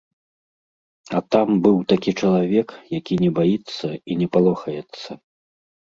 А там быў такі чалавек, які не баіцца і не палохаецца.